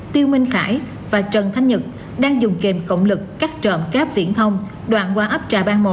tiêu minh khái và trần thanh nhật đang dùng kềm cộng lực cắt trộm cắp viễn thông đoạn qua ấp trà bang một